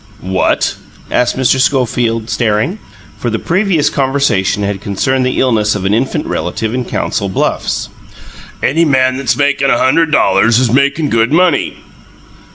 "What?" asked Mr. Schofield, staring, for the previous conversation had concerned the illness of an infant relative in Council Bluffs. "Any man that's makin' a hunderd dollars a month is makin' good money."